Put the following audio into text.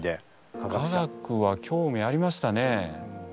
科学は興味ありましたね。